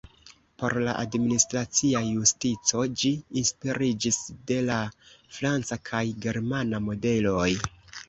Por la administracia justico ĝi inspiriĝis de la franca kaj germana modeloj.